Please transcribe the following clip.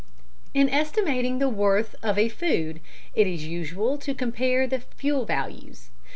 _ In estimating the worth of a food, it is usual to compare the fuel values.